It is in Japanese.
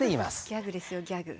ギャグですよギャグ。